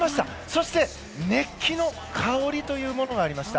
そして、熱気の香りというものがありました。